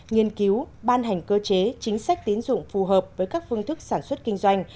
nghiên cứu ban hành cơ chế chính sách tín dụng phù hợp với các phương thức sản xuất kinh doanh